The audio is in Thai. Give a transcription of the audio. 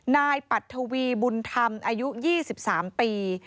นายปัททวีบุญธรรมอายุ๒๓ปี